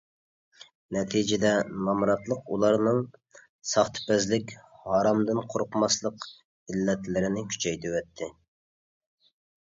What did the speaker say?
نەتىجىدە، نامراتلىق ئۇلارنىڭ ساختىپەزلىك، ھارامدىن قورقماسلىق ئىللەتلىرىنى كۈچەيتىۋەتتى.